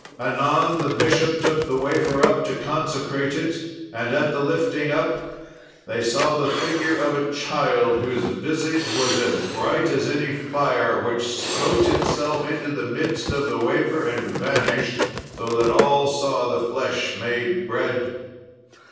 Anon the bishop took the wafer up to consecrate it, and at the lifting up, they saw the figure of a Child, whose visage was as bright as any fire, which smote itself into the midst of the wafer and vanished, so that all saw the flesh made bread.